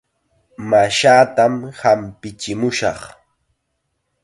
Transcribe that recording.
Mashaatam hampichimushaq.